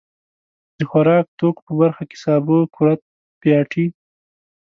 د خوراکتوکو په برخه کې سابه، کورت، پياټي.